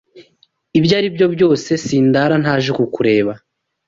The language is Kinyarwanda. Ibyo ari byo byose sindara ntaje kukureba